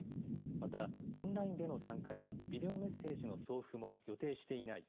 また、オンラインでの参加やビデオメッセージの送付も予定していない。